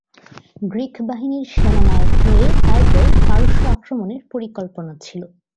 Greek বাহিনীর সেনানায়ক হয়ে তারপর পারস্য আক্রমণের পরিকল্পনা ছিল।